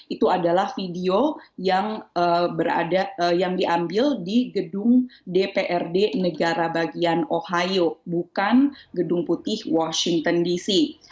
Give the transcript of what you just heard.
itu adalah video yang diambil di gedung dprd negara bagian ohio bukan gedung putih washington dc